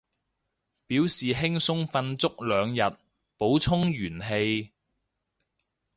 表示輕鬆瞓足兩日，補充元氣